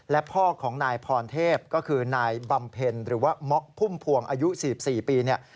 และพ่อของนายพรเทพก็คือนายบำเพ็ญหรือว่าม็อกพุ่มพวงอายุ๔๔ปีเนี่ย